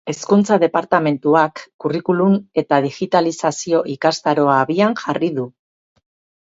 Hezkuntza departamentuak Curriculum eta digitalizazio ikastaroa abian jarri du.